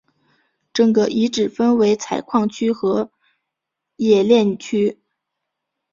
整个遗址分为采矿区和冶炼区。